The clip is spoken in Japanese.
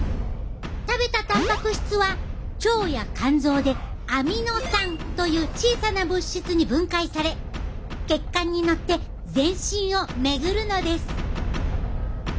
食べたたんぱく質は腸や肝臓でアミノ酸という小さな物質に分解され血管に乗って全身を巡るのです。